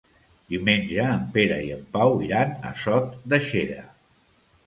Diumenge en Pere i en Pau iran a Sot de Xera.